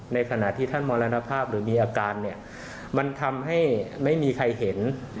ในขณะที่ท่านมรณภาพหรือมีอาการเนี่ยมันทำให้ไม่มีใครเห็น